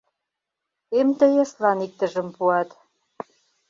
Эмтеэслан иктыжым пуат...